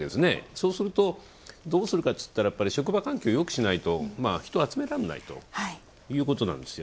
そうするとどうするかっていったら、職場環境をよくしないと、人を集められないということなんですよ。